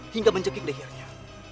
hingga mencekik lehernya